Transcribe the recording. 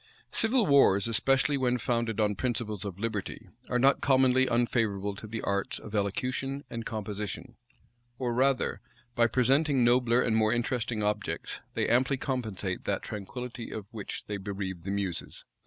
Civil wars, especially when founded on principles of liberty are not commonly unfavorable to the arts of elocution and composition; or rather, by presenting nobler and more interesting objects, they amply compensate that tranquillity of which they bereave the muses.